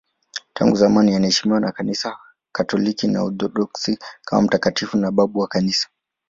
Tangu zamani anaheshimiwa na Kanisa Katoliki na Waorthodoksi kama mtakatifu na babu wa Kanisa.